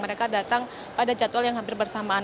mereka datang pada jadwal yang hampir bersamaan